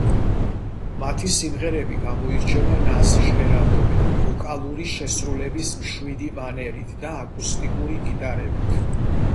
მათი სიმღერები გამოირჩევა ნაზი ჟღერადობით, ვოკალური შესრულების მშვიდი მანერით და აკუსტიკური გიტარებით.